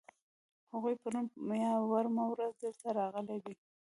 هغوی پرون یا وړمه ورځ دلته راغلي دي.